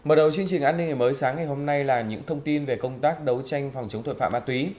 mở đầu chương trình an ninh hình mới sáng ngày hôm nay là những thông tin về công tác đấu tranh phòng chống tội phạm ma túy